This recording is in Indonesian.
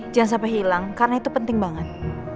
jangan sampai hilang karena itu penting banget